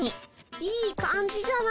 いい感じじゃない。